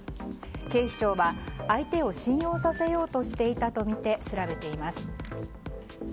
警視庁は相手を信用させようとしていたとみて調べています。